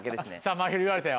まひる言われたよ。